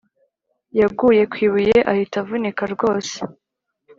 Yaguye kw’ibuye ahita avunika rwose